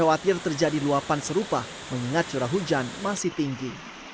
khawatir terjadi luapan serupa mengingat curah hujan masih tinggi